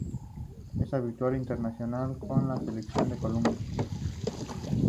Es habitual internacional con la Selección de Colombia.